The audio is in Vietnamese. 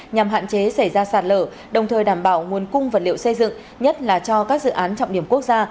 nhằm hạn chế xảy ra sạt lở đồng thời đảm bảo nguồn cung vật liệu xây dựng nhất là cho các dự án trọng điểm quốc gia